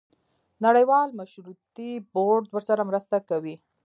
نړیوال مشورتي بورډ ورسره مرسته کوي.